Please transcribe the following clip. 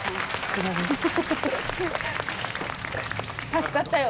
助かったよ。